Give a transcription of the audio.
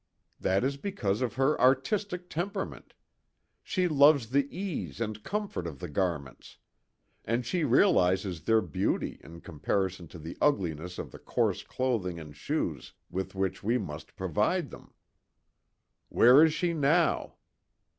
"That is because of her artistic temperament. She loves the ease and comfort of the garments. And she realizes their beauty in comparison to the ugliness of the coarse clothing and shoes with which we must provide them." "Where is she now?"